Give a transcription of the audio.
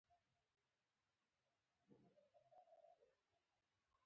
هغې خپلې لور ته د ژوند ډېر مهم درسونه او نصیحتونه ورکړل